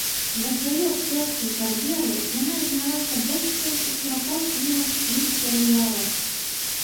За сваю акцёрскую кар'еру яна знялася больш чым у сарака фільмах і серыялах.